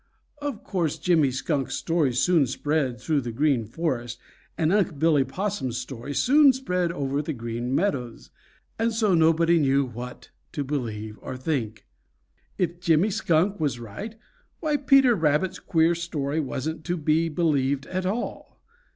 Of course Jimmy Skunk's story soon spread through the Green Forest, and Unc' Billy Possum's story soon spread over the Green Meadows, and so nobody knew what to believe or think. If Jimmy Skunk was right, why Peter Rabbit's queer story wasn't to be believed at all.